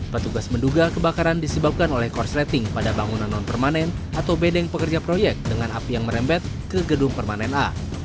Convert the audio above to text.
petugas menduga kebakaran disebabkan oleh korsleting pada bangunan non permanen atau bedeng pekerja proyek dengan api yang merembet ke gedung permanen a